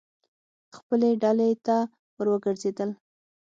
خپلې ډلې ته ور وګرځېدل.